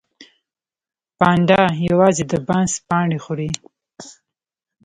پاندا یوازې د بانس پاڼې خوري